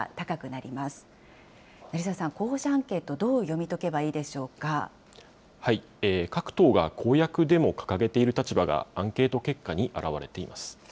成澤さん、候補者アンケート、ど各党が公約でも掲げている立場が、アンケート結果に表れています。